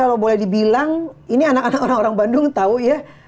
kalau boleh dibilang ini anak anak orang orang bandung tahu ya